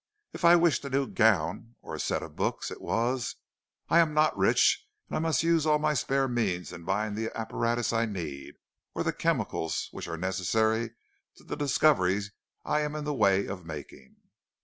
If I wished a new gown, or a set of books, it was: 'I am not rich, and I must use all my spare means in buying the apparatus I need, or the chemicals which are necessary to the discoveries I am in the way of making.'